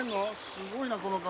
すごいなこの川。